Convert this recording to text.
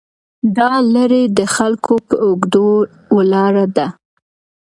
دا لړۍ د خلکو په اوږو ولاړه ده.